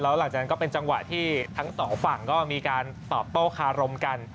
หลังจากนั้นก็เป็นจังหวะที่ทั้งสองฝั่งก็มีการตอบโต้คารมกัน